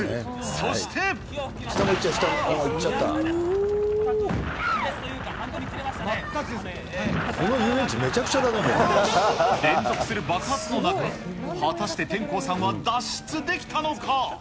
そして。連続する爆発の中、果たして天功さんは脱出できたのか。